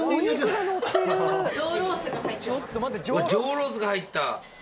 上ロースが入った。